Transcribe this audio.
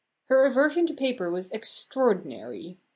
Her aversion to paper was extraordinary.